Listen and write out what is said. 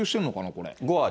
これ。